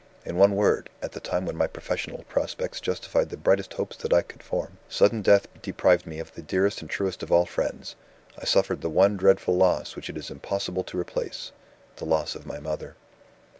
In one word, at the time when my professional prospects justified the brightest hopes that I could form, sudden death deprived me of the dearest and truest of all friends I suffered the one dreadful loss which it is impossible to replace, the loss of my mother.